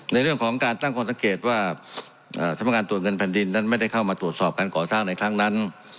ในเรื่องของการตั้งความสังเกตว่าสำนักงานตรวจเงินแผ่นดินนั้นไม่ได้เข้ามาตรวจสอบการก่อสร้างในครั้งนั้น